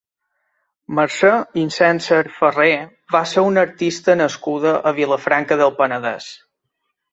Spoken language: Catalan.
Mercè Insenser Farré va ser una artista nascuda a Vilafranca del Penedès.